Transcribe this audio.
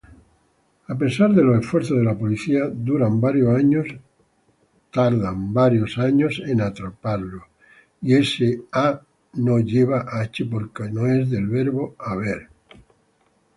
Ha pesar de los esfuerzos de la policía duran varios años en atraparlo.